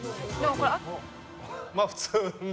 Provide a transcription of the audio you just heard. まあ普通の。